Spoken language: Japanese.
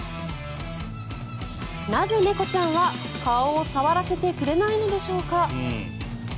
なぜ猫ちゃんは顔を触らせてくれないのでしょうか。